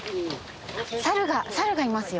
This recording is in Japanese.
サルがサルがいますよ。